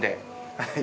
はい。